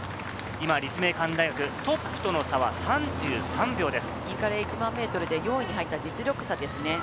今、立命館大学、トップとの差は３３秒です。